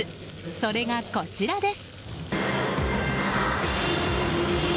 それがこちらです。